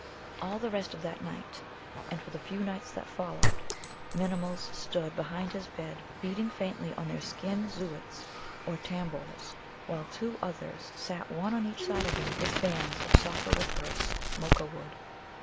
All the rest of that night (and for the few nights that followed) Minimuls stood behind his bed beating faintly on their skin Zōōts or tambours, while two others sat one on each side of him with fans of soporiferous Moka wood.